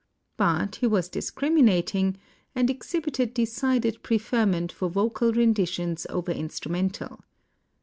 But he was discriminating and exhibited decided preferment for vocal renditions over instrumental.